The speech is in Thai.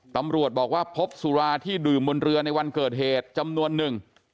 ตำรวจบอกว่าพบสุราที่ดื่มบนเรือในวันเกิดเหตุจำนวนหนึ่ง